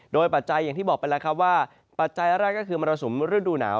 โดยปัจจัยอย่างที่บอกไปแล้วครับว่าปัจจัยแรกก็คือมรสุมฤดูหนาว